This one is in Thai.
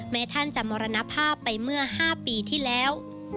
ท่านจะมรณภาพไปเมื่อ๕ปีที่แล้ว